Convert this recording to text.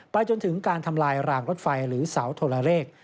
จนถึงการทำลายรางรถไฟหรือเสาโทรเลข